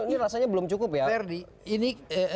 ini rasanya belum cukup ya ferdi ini